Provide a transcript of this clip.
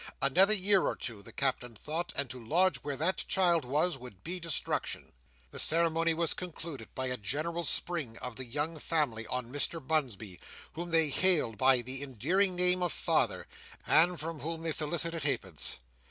Another year or two, the Captain thought, and to lodge where that child was, would be destruction. The ceremony was concluded by a general spring of the young family on Mr Bunsby, whom they hailed by the endearing name of father, and from whom they solicited half pence.